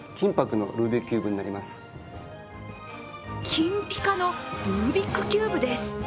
金ぴかのルービックキューブです。